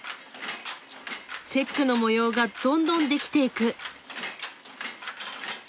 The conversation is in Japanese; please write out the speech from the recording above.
チェックの模様がどんどんできていく。